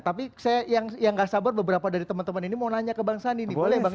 tapi saya yang gak sabar beberapa dari teman teman ini mau nanya ke bang sandi nih boleh bang